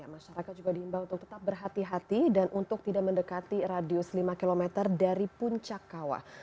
masyarakat juga diimbau untuk tetap berhati hati dan untuk tidak mendekati radius lima km dari puncak kawah